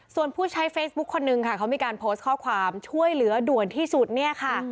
ส่วนผู้ใช้เฟซบุ๊คคนนึงค่ะเขามีการโพสต์ข้อความช่วยเหลือด่วนที่สุดเนี่ยค่ะ